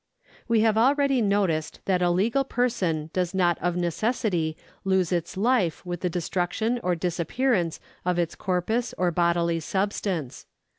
We have already noticed that a legal person does not of neces sity lose its life with the destruction or disappearance of its corpus or bodily substance.